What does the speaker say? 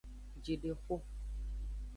Jidexo.